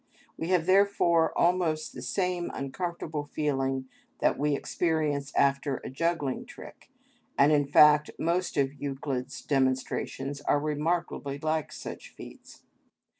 We have therefore almost the same uncomfortable feeling that we experience after a juggling trick, and, in fact, most of Euclid's demonstrations are remarkably like such feats.